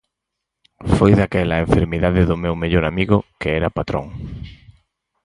Foi daquela a enfermidade do meu mellor amigo, que era patrón.